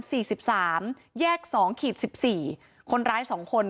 สิบสามแยกสองขีดสิบสี่คนร้ายสองคน